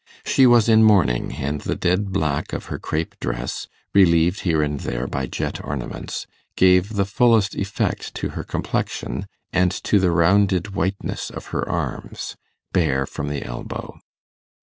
She was in mourning, and the dead black of her crape dress, relieved here and there by jet ornaments, gave the fullest effect to her complexion, and to the rounded whiteness of her arms, bare from the elbow.